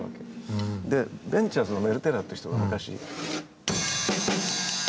でベンチャーズのメル・テイラーって人が昔。